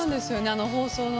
あの放送の後に。